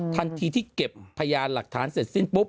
ทันทีที่เก็บพยานหลักฐานเสร็จสิ้นปุ๊บ